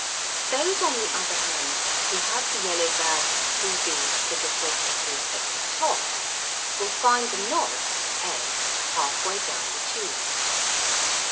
Those, on the other hand, who have the yellow bags (2 b, Fig. 43) at the top will find the knob (a) half way down the tube.